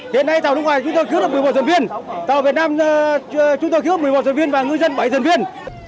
hiện nay tàu nước ngoài chúng tôi cứu được một mươi một dân viên tàu việt nam chúng tôi cứu được một mươi một dân viên và ngư dân bảy dân viên